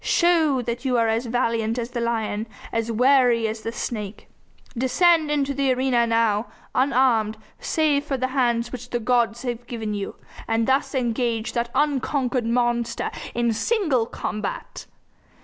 Show that you are as valiant as the lion, as wary as the snake. Descend into the arena now, unarmed save for the hands which the gods have given you, and thus engage that unconquered monster in single combat!